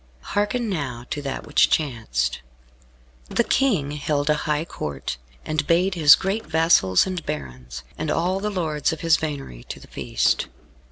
Hearken now to that which chanced. The King held a high Court, and bade his great vassals and barons, and all the lords of his venery to the feast.